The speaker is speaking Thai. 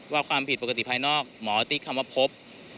ความผิดปกติภายนอกหมอติ๊กคำว่าพบ